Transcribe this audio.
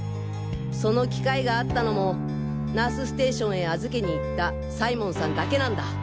その機会があったのもナースステーションへ預けに行った斉門さんだけなんだ。